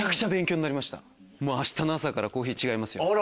明日の朝からコーヒー違いますよ。